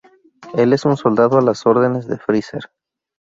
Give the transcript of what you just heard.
El es un soldado a las órdenes de Freezer.